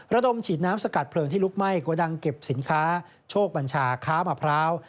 ระดมฉีดน้ำสกัดเพลิงที่ลุกไหม้โกดังเก็บสินค้าโชคบัญชาค้ามะพร้าว